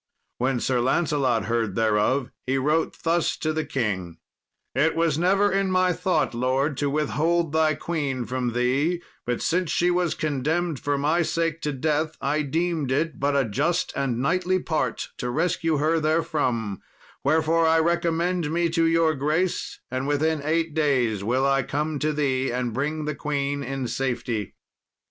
When Sir Lancelot heard thereof, he wrote thus to the king: "It was never in my thought, lord, to withhold thy queen from thee; but since she was condemned for my sake to death, I deemed it but a just and knightly part to rescue her therefrom; wherefore I recommend me to your grace, and within eight days will I come to thee and bring the queen in safety."